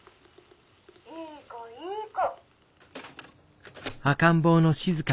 いい子いい子」。